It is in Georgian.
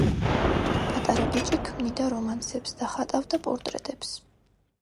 პატარა ბიჭი ქმნიდა რომანსებს და ხატავდა პორტრეტებს.